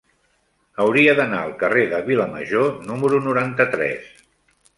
Hauria d'anar al carrer de Vilamajor número noranta-tres.